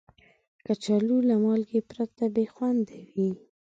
کچالو له مالګې پرته بې خوند وي